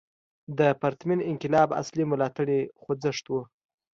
د پرتمین انقلاب اصلي ملاتړی خوځښت و.